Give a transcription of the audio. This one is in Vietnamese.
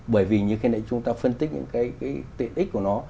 bởi vì như khi nãy chúng ta phân tích những cái tiện ích của nó